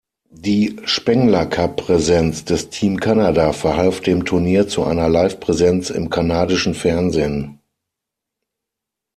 Die Spengler-Cup-Präsenz des Team Canada verhalf dem Turnier zu einer Live-Präsenz im kanadischen Fernsehen.